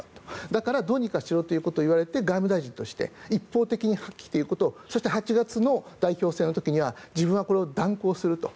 だから、どうにかしろということを言われて外務大臣として一方的に破棄ということをそして８月の代表選の時には自分はこれを断行すると。